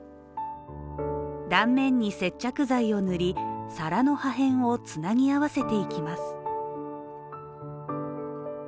断面に接着剤を塗り、皿の破片をつなぎ合わせていきます。